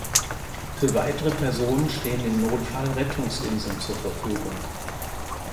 Für weitere Personen stehen im Notfall Rettungsinseln zur Verfügung.